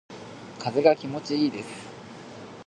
風が気持ちいいです。